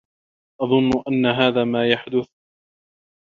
أظنّ أن هذا ما يحدث.